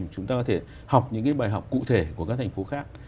chúng ta có thể học những cái bài học cụ thể của các thành phố khác